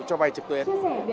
cho vai trực tuyến